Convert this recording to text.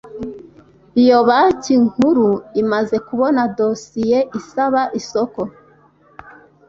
Iyo Baki Nkuru imaze kubona dosiye isaba isoko